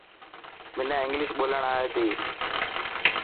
منا انگلش ٻولڻ آئي تي.